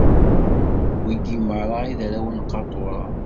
D wigi meṛṛa i d arraw n Qatura.